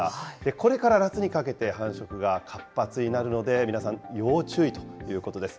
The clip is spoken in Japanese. これから夏にかけて繁殖が活発になるので、皆さん要注意ということです。